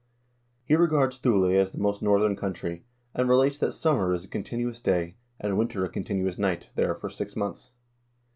He regards Thule as the most northern country, and relates that summer is a con tinuous day, and winter a continuous night, there for six months.